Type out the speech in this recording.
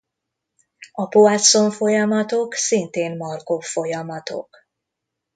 A Poisson-folyamatok szintén Markov-folyamatok.